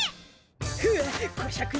フッこしゃくな。